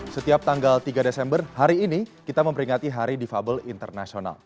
setiap tanggal tiga desember hari ini kita memperingati hari difabel internasional